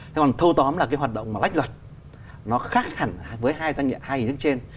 thế còn thâu tóm là cái hoạt động mà lách luật nó khác hẳn với hai doanh nghiệp hai hình thức trên